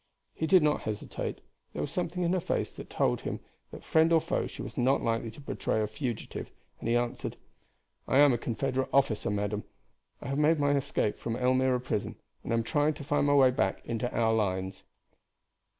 He did not hesitate. There was something in her face that told him that, friend or foe, she was not likely to betray a fugitive, and he answered: "I am a Confederate officer, madam. I have made my escape from Elmira prison, and am trying to find my way back into our lines."